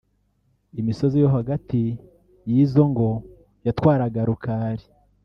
Imisozi yo hagati y’izo ngo yatwaraga Rukali